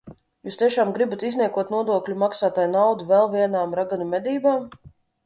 Jūs tiešām gribat izniekot nodokļu maksātāju naudu vēl vienām raganu medībām?